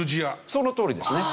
そのとおりですね。